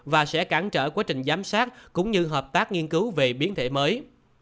và sẽ cản trở quá trình giám sát cũng như hợp tác nghiên cứu về biến thể mới